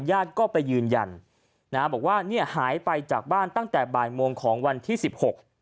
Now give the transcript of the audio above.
ญาติก็ไปยืนยันนะฮะบอกว่าเนี่ยหายไปจากบ้านตั้งแต่บ่ายโมงของวันที่สิบหก